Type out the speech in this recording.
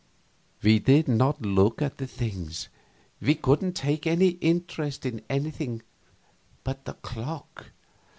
We did not look at the things; we couldn't take any interest in anything but the clock.